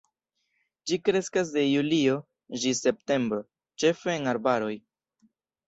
Ĝi kreskas de julio ĝis septembro, ĉefe en arbaroj.